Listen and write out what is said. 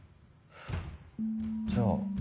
じゃあ。